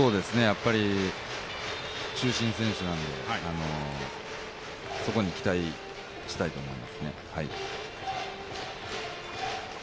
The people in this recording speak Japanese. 中心選手なので、そこに期待したいと思いますね。